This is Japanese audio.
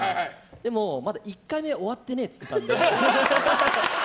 でも、まだ１回目終わってねえって言ってたんで。